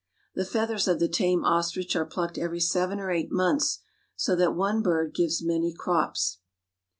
The feathers of the tame ostrich are plucked every seven or eight months, so that one bird gives many crops.